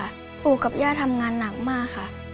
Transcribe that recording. ปู่กับย่าทำงานหนักมากค่ะ